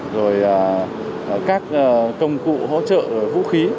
rồi các công cụ hỗ trợ vũ khí